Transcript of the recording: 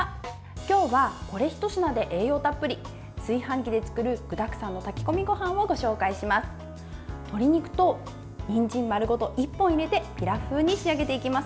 今日はこれひと品で栄養たっぷり炊飯器で作る具だくさんの炊き込みごはんをご紹介します。